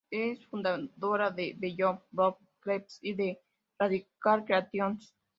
Es fundadora de Beyond Borders Press y de Radical Creations.